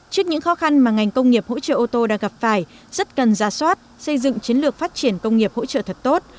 trước những khó khăn mà ngành công nghiệp hỗ trợ ô tô đang gặp phải rất cần ra soát xây dựng chiến lược phát triển công nghiệp hỗ trợ thật tốt